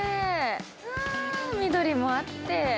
うわー、緑もあって。